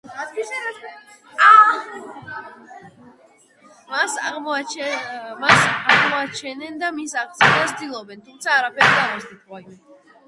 მას აღმოაჩენენ და მის აღზრდას ცდილობენ, თუმცა არაფერი გამოსდით.